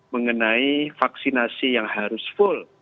mengenai vaksinasi yang harus full